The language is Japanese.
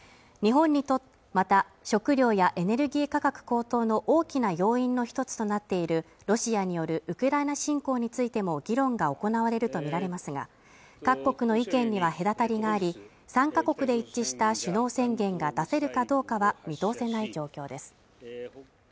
また食糧やエネルギー価格高騰の大きな要因の一つとなっているロシアによるウクライナ侵攻についても議論が行われると見られますが各国の意見には隔たりがあり参加国で一致した首脳宣言が出せるかどうかは見通せない状況です